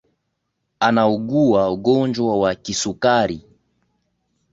Anaugua ugonjwa wa kisukari